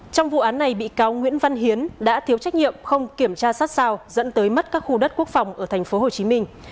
trong vụ án này bị cáo nguyễn văn hiến đã thiếu trách nhiệm không kiểm tra sát sao dẫn tới mất các khu đất quốc phòng ở tp hcm